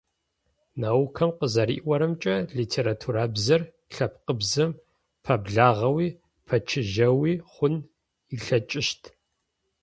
Наукэм къызэриӏорэмкӏэ, литературабзэр лъэпкъыбзэм пэблагъэуи пэчыжьэуи хъун ылъэкӀыщт.